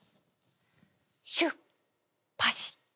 シュッパシッ！